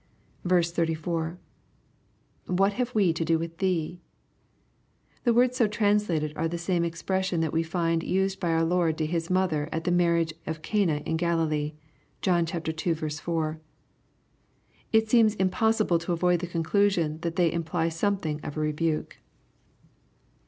34. —[ What have we to do wUh ihee f\ The words so translated are the same expression that we find used by our Lord to His mother at the marriage of Cana in Galilee. (John ii. 4.) It seems im possible to avoid the conclusion that they imply something of re buke.